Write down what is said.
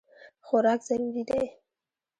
خوراک ضروري دی.